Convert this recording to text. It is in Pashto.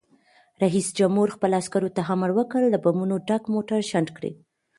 رئیس جمهور خپلو عسکرو ته امر وکړ؛ له بمونو ډک موټر شنډ کړئ!